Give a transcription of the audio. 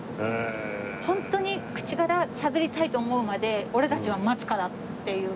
ホントに口からしゃべりたいと思うまで俺たちは待つからっていう。